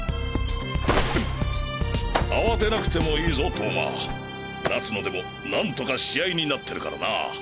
慌てなくてもいいぞ投馬夏野でも何とか試合になってるからな。